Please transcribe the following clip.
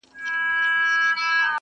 چي د ځوانیو هدیرې وژاړم،